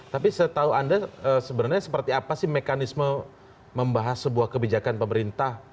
tapi setahu anda sebenarnya seperti apa sih mekanisme membahas sebuah kebijakan pemerintah